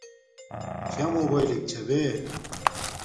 شا موباݵلک چھا بے